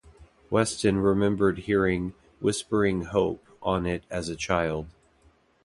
Weston remembered hearing "Whispering Hope" on it as a child.